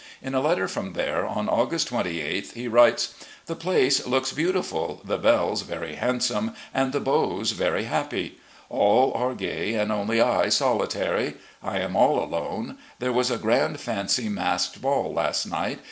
In a letter from there, on August 28th, he writes: .. The place looks beautiful — ^the belles very handsome, and the beaux very happy. AH are gay, and only I solitary. I am all alone. There was a grand fancy masked ball last night.